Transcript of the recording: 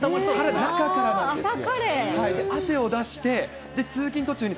中からなんですよ。